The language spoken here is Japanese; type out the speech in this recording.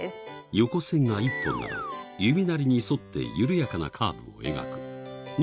横線が１本なら弓なりに反って緩やかなカーブを描く２